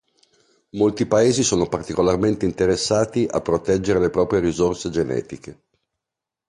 Molti paesi sono particolarmente interessati a proteggere le proprie risorse genetiche.